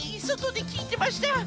そとできいてました！